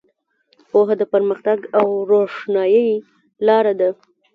پوهه د پرمختګ او روښنایۍ لاره ده.